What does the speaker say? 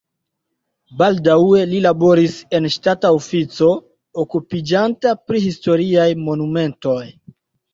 Baldaŭe li laboris en ŝtata ofico okupiĝanta pri historiaj monumentoj.